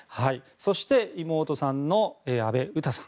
そして妹さんの阿部詩さん。